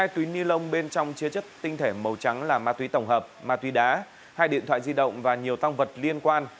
hai túi ni lông bên trong chứa chất tinh thể màu trắng là ma túy tổng hợp ma túy đá hai điện thoại di động và nhiều tăng vật liên quan